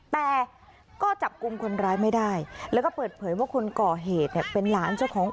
แต่ก็จับกลุ่มคนร้ายไม่ได้แล้วก็เปิดเผยว่าคนก่อเหตุเนี่ยเป็นหลานเจ้าของ